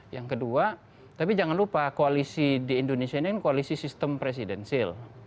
yang kedua tapi jangan lupa koalisi di indonesia ini kan koalisi sistem presidensil